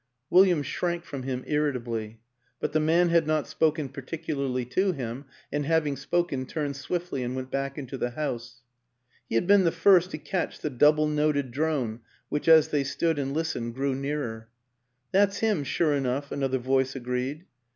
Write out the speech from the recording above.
. William shrank from him irritably, but the man had not spoken particularly to him, and, having spoken, turned swiftly and went back into the house. He had been the first to catch the double noted drone which as they stood and listened grew nearer. " That's him, sure enough," another voice agreed.